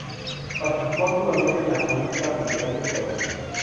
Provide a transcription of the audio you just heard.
Participó activamente en la política cultural de Gerona.